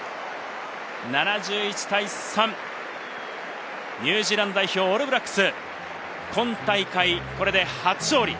７１対３、ニュージーランド代表オールブラックス、今大会これで初勝利。